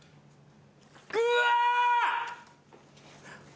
うわ！